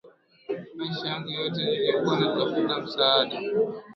Maisha yangu yote nilikuwa natafuta msaada.